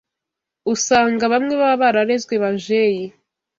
Usanga bamwe baba bararezwe bajeyi